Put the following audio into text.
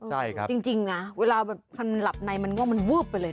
ใช่ครับจริงนะเวลาแบบมันหลับในมันก็มันวืบไปเลย